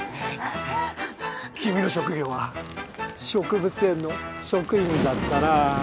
君の職業は植物園の職員だったなぁ。